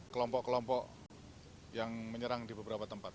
kelompok kelompok yang menyerang di beberapa tempat